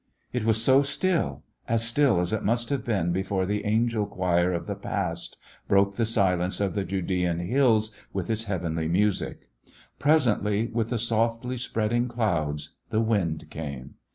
It was so still, as still as it must have been before the angel choir of the past broke the silence of the Judean hills with its heavenly music. Presently, with the softly spreading clouds, the wind came.